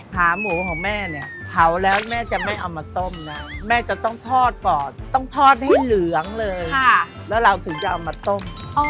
ขาหมูของแม่เนี่ยเผาแล้วแม่จะไม่เอามาต้มนะแม่จะต้องทอดก่อนต้องทอดให้เหลืองเลยแล้วเราถึงจะเอามาต้ม